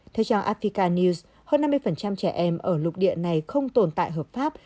theo trang apica news hơn năm mươi trẻ em ở lục địa này không tồn tại hợp pháp